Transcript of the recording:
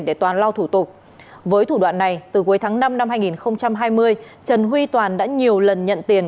để toàn lao thủ tục với thủ đoạn này từ cuối tháng năm năm hai nghìn hai mươi trần huy toàn đã nhiều lần nhận tiền